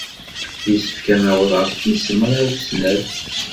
Yessefk ad naweḍ ɣef tis mraw snat.